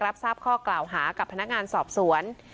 รับทราบข้อกล่าวหากับพนักงานสอบสวน